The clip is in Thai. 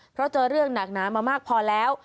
เพราะเจอเรื่องหนักหนามามากพอแล้ว